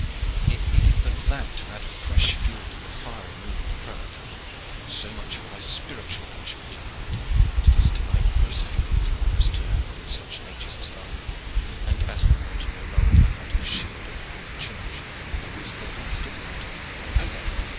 It needed but that to add fresh fuel to the fiery mood of the prelate. "So much for thy spiritual punishment," he cried. "But it is to thy grosser feelings that we must turn in such natures as thine, and as thou art no longer under the shield of holy church there is the less difficulty. Ho there!